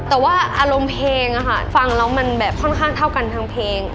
แต่ว่าอารมณ์เพลงฟังแล้วมันแบบค่อนข้างเท่ากันทางเพลง